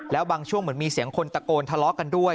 แล้วบางช่วงเหมือนมีเสียงคนตะโกนทะเลาะกันด้วย